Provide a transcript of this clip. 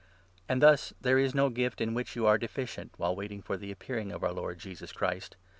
And thus there is no gift in which 7 Jou are deficient, while waiting for the Appearing of our Lord esus Christ.